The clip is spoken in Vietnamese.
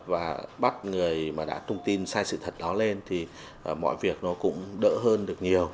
và bắt người mà đã thông tin sai sự thật đó lên thì mọi việc nó cũng đỡ hơn được nhiều